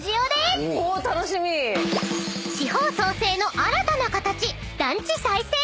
［地方創生の新たな形団地再生］